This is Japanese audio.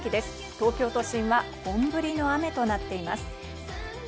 東京都心は本降りの雨となっています。